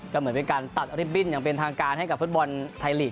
ก็เหมือนเป็นการตัดริบบิ้นอย่างเป็นทางการให้กับฟุตบอลไทยลีก